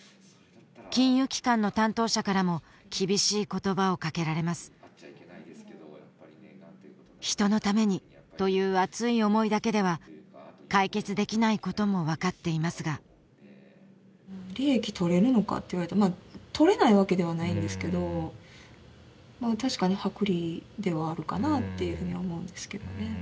金融機関の担当者からも厳しい言葉をかけられます人のためにという熱い思いだけでは解決できないことも分かっていますが利益取れるのかっていわれたら取れないわけではないんですけど確かに薄利ではあるかなっていうふうに思うんですけどね